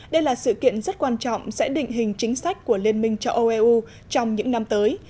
đây là sự kiện rất quan trọng sẽ định hình chính sách của liên minh châu âu eu trong những năm tới